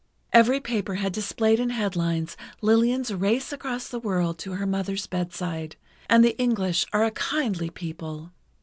Every paper had displayed in headlines Lillian's race across the world to her mother's bedside, and the English are a kindly people.